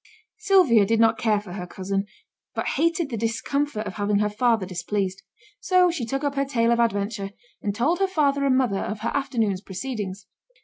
Sylvia did not care for her cousin, but hated the discomfort of having her father displeased; so she took up her tale of adventure, and told her father and mother of her afternoon's proceedings.